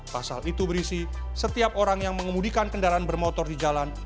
pasal itu berisi setiap orang yang mengemudikan kendaraan bermotor di jalan